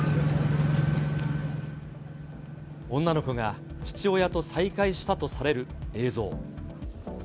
女の子が父親と再会したとされる映像。